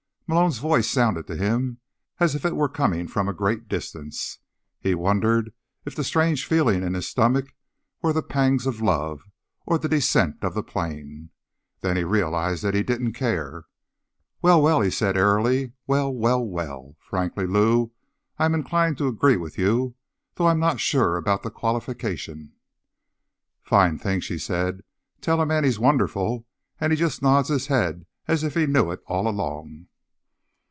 Malone's voice sounded to him as if it were coming from a great distance. He wondered if the strange feeling in his stomach were the pangs of love, or the descent of the plane. Then he realized that he didn't care. "Well, well," he said airily. "Well, well, well. Frankly, Lou, I'm inclined to agree with you. Though I'm not sure about the qualification." "Fine thing," she said. "Tell a man he's wonderful and he just nods his head as if he knew it all along."